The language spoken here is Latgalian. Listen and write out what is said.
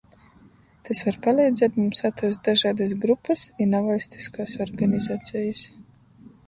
Tys var paleidzēt mums atrast dažaidys grupys i navaļstiskuos organizacejis.